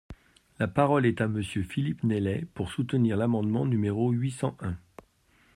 La parole est à Monsieur Philippe Naillet, pour soutenir l’amendement numéro huit cent un.